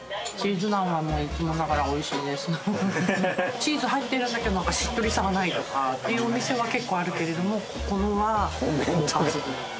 チーズ入ってるんだけどしっとりさがないとかっていうお店は結構あるけれどもここのは抜群。